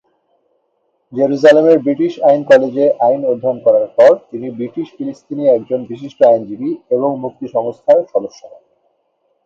জেরুজালেমের ব্রিটিশ আইন কলেজে আইন অধ্যয়ন করার পর তিনি ব্রিটিশ-ফিলিস্থিনি একজন বিশিষ্ট আইনজীবী এবং মুক্তি সংস্থার সদস্য হন।